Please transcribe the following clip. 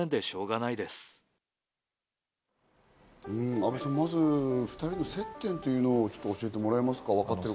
阿部さん、まず２人の接点というのを教えてもらえますか。